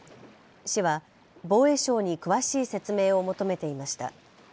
市は防衛省に詳しい説明を求めていました。